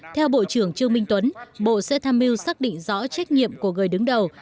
theo bộ trưởng trương minh tuấn bộ sẽ tham mưu xác định rõ trách nhiệm của người đứng đầu